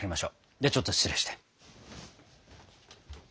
ではちょっと失礼して。